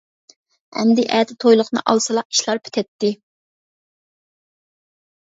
ئەمدى ئەتە تويلۇقنى ئالسىلا ئىشلار پۈتەتتى.